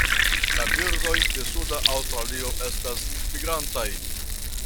La birdoj de suda Aŭstralio estas migrantaj.